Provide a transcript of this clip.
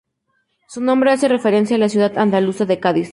Su nombre hace referencia a la ciudad andaluza de Cádiz.